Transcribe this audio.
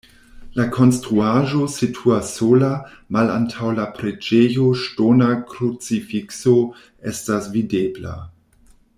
La konstruaĵo situas sola, malantaŭ la preĝejo ŝtona krucifikso estas videbla.